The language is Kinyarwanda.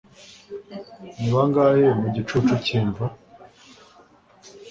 Ni bangahe mu gicucu cyimva